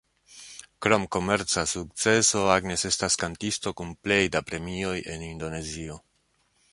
Krom komerca sukceso, Agnes estas kantisto kun plej da premioj en Indonezio.